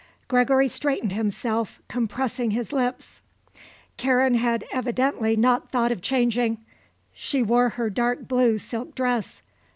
Gregory straightened himself, compressing his lips. Karen had evidently not thought of changing. She wore her dark blue silk dress.